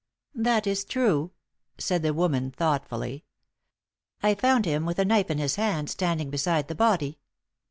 "That is true," said the woman, thoughtfully. "I found him with a knife in his hand standing beside the body."